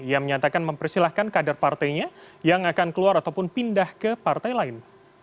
ia menyatakan mempersilahkan kader partainya yang akan keluar ataupun pindah ke partai lain